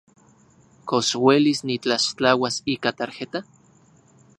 ¿Kox uelis nitlaxtlauas ika tarjeta?